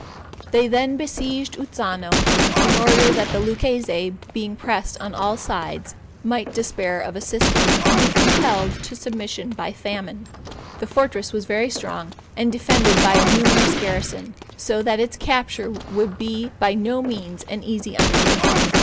They then besieged Uzzano, in order that the Lucchese, being pressed on all sides, might despair of assistance, and be compelled to submission by famine. The fortress was very strong, and defended by a numerous garrison, so that its capture would be by no means an easy undertaking.